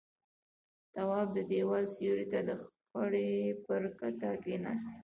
تواب د دېوال سيوري ته د خرې پر کته کېناست.